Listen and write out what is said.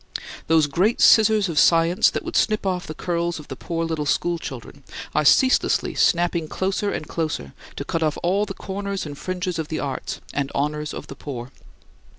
Those great scissors of science that would snip off the curls of the poor little school children are ceaselessly snapping closer and closer to cut off all the corners and fringes of the arts and honors of the poor.